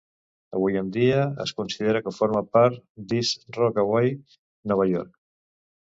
Avui en dia, es considera que forma part d'East Rockaway, Nova York.